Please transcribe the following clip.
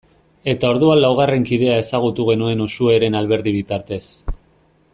Eta orduan laugarren kidea ezagutu genuen Uxueren Alberdi bitartez.